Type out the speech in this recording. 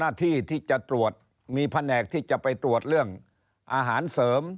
หน้าที่ที่จะตรวจมีแผนกที่จะไปตรวจเรื่องอาหารเสริม